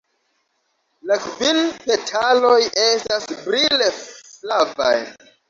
La kvin petaloj estas brile flavaj.